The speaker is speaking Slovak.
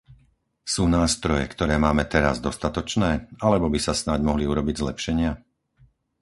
Sú nástroje, ktoré máme teraz dostatočné, alebo by sa snáď mohli urobiť zlepšenia?